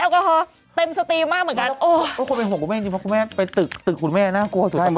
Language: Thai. ของพี่หนุ่มก็คือแอกาฮอล์